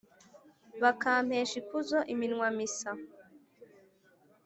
bakampesha ikuzo iminwa misa,